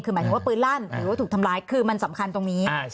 คือหมายถึงว่าปืนลั่นหรือว่าถูกทำร้ายคือมันสำคัญตรงนี้